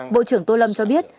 bộ trưởng tô lâm cho biết